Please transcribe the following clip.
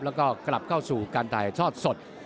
แล้วก็กลับเข้าสู่การถ่ายทอดสด